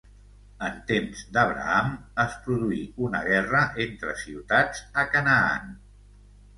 En temps d'Abraham, es produí una guerra entre ciutats a Canaan.